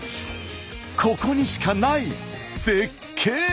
ここにしかない絶景。